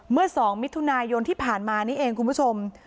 เมื่อ๒มิถุนายนที่ผ่านมานี่เองคุณผู้ชม